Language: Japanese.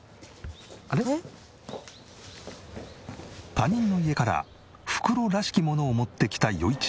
他人の家から袋らしき物を持ってきた余一パパ。